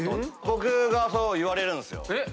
僕がそう言われるんすよ。